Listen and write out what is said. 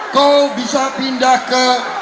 kau bisa pindah ke